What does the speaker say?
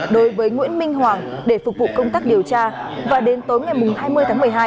đối với nguyễn minh hoàng để phục vụ công tác điều tra và đến tối ngày hai mươi tháng một mươi hai